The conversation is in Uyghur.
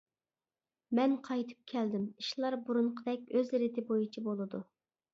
مەن قايتىپ كەلدىم ئىشلار بۇرۇنقىدەك ئۆز رېتى بويىچە بولىدۇ.